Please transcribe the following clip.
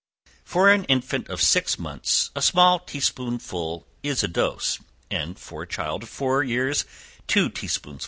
For an infant of six months, a small tea spoonful is a dose, and for a child of four years, two tea spoonsful.